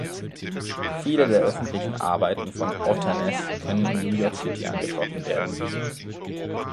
Viele der öffentlichen Arbeiten von Otterness können in New York City angetroffen werden.